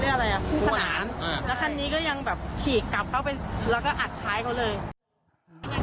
และคันนี้ก็ยังแบบฉีกกลับเขาไปแล้วก็อัดท้ายเขาเลย